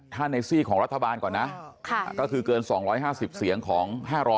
ถ้าในซี่ของรัฐบาลก่อนนะก็คือเกิน๒๕๐เสียงของ๕๐๐